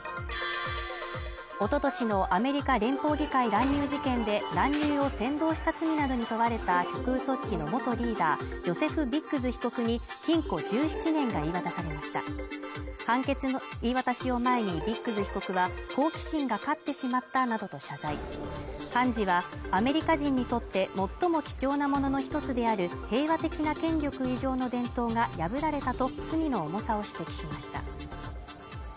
おととしのアメリカ連邦議会乱入事件で乱入を扇動した罪などに問われた極右組織の元リーダージョセフ・ビッグズ被告に禁錮１７年が言い渡されました判決の言い渡しを前にビッグズ被告は好奇心が勝ってしまったなどと謝罪判事はアメリカ人にとって最も貴重なものの一つである平和的な権力移譲の伝統が破られたと罪の重さを指摘しました